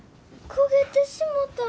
焦げてしもた。